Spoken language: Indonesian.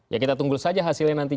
ya kita tunggu saja hasilnya nanti